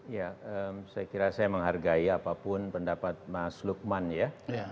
ya saya kira saya menghargai apapun pendapat mas lukman ya